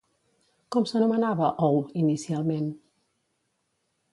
Com s'anomenava Hou inicialment?